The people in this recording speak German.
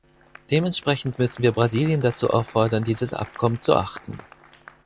Dementsprechend müssen wir Brasilien dazu auffordern, dieses Abkommen zu achten.